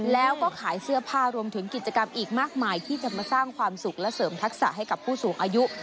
แล้วก็ขายเสื้อผ้ารวมถึงกิจกรรมอีกมากมายที่จะมาสร้างความสุขและเสริมทักษะให้กับผู้สูงอายุ